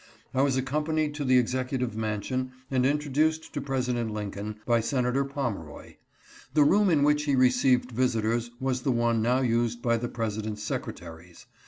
I was accompanied to the executive mansion and introduced to President Lincoln by Senator Pomeroy. The room in which he re 422 HIS KIND RECEPTION. ceived visitors was the one now used by the President's secretaries.